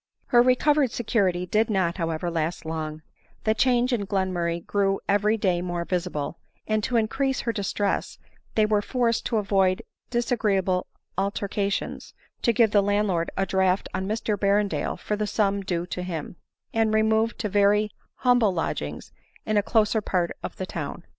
Her recovered security did not, however, last long : the change in Glenmurray grew every day more visible ; and to increase her distress, they were forced, to avoid disa greeable altercations, to give the landlord a draft on Mr Berrendale for the sum due to him, and remove to very humble lodgings in a closer part of the town.